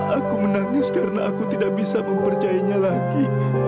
aku menangis karena aku tidak bisa mempercayainya lagi